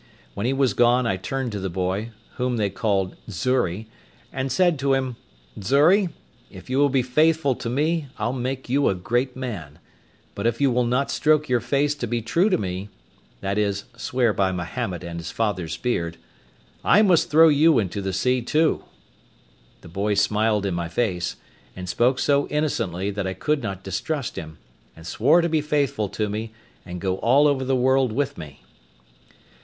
When he was gone, I turned to the boy, whom they called Xury, and said to him, "Xury, if you will be faithful to me, I'll make you a great man; but if you will not stroke your face to be true to me"—that is, swear by Mahomet and his father's beard—"I must throw you into the sea too." The boy smiled in my face, and spoke so innocently that I could not distrust him, and swore to be faithful to me, and go all over the world with me.